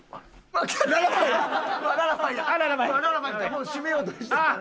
もう締めようとしてた。